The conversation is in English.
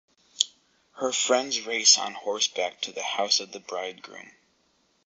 Her friends race on horseback to the house of the bridegroom.